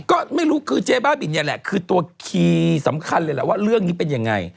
ก็ไม่รู้คือเจ๊บ้าบินเนี่ยแหละคือตัวคีย์สำคัญเลยแหละว่าเรื่องนี้เป็นยังไง